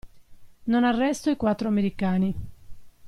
Non arresto i quattro americani.